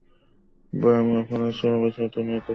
তাই আমার ভাই আসার আগে বিষয়টা নিয়ে তাঁর সঙ্গে আলাপ করি।